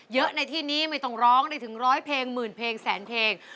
เยอะในที่นี้ไม่ต้องร้องได้ถึงร้อยเพลงหมื่นเพลงแสนเพลง